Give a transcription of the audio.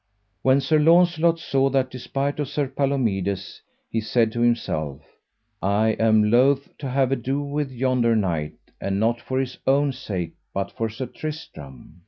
When Sir Launcelot saw that despite of Sir Palomides, he said to himself: I am loath to have ado with yonder knight, and not for his own sake but for Sir Tristram.